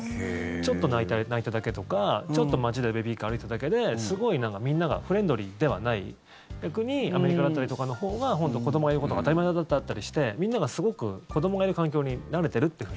ちょっと泣いただけとかちょっと街でベビーカー歩いただけで逆にアメリカだったりとかのほうが本当、子どもが言うことが当たり前だったりしてみんながすごく子どもがいる環境に慣れてるっていうふうに。